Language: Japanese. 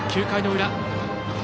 ９回の裏。